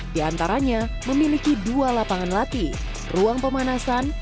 di antaranya memiliki dua lapangan latih ruang pemanasan